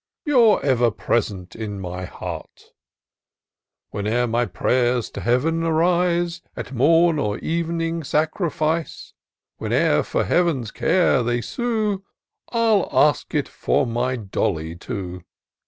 You're ever present in my heart : Whene'er my pray'rs to Heav'n arise, At morn or ev'ning sacrifice. Whene'er for Heaven's care they sue, I ask it for my Dolly too.